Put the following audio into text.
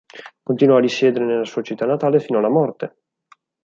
Continuò a risiedere nella sua città natale fino alla morte.